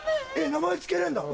名前付けれんだ。